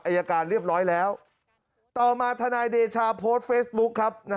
อายการเรียบร้อยแล้วต่อมาทนายเดชาโพสต์เฟซบุ๊คครับ